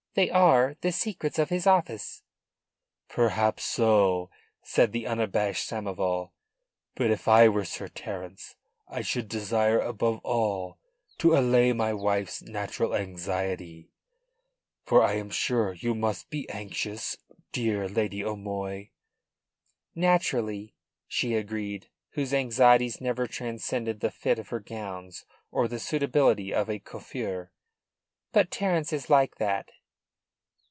They are the secrets of his office." "Perhaps so," said the unabashed Samoval. "But if I were Sir Terence I should desire above all to allay my wife's natural anxiety. For I am sure you must be anxious, dear Lady O'Moy."' "Naturally," she agreed, whose anxieties never transcended the fit of her gowns or the suitability of a coiffure. "But Terence is like that."